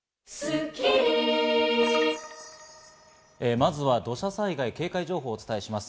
まずは土砂災害警戒情報をお伝えします。